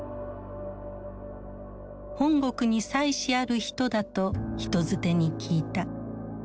本国に妻子ある人だと人づてに聞いた。